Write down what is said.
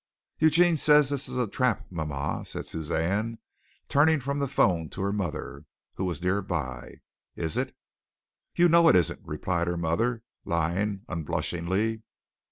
"Eugene says this is a trap, mama," said Suzanne, turning from the phone to her mother, who was near by. "Is it?" "You know it isn't," replied her mother, lying unblushingly.